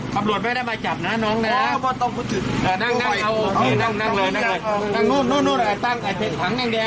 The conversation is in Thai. ก็ไม่ได้มาจับนะน้องนะนั่งโอเคนั่งเลย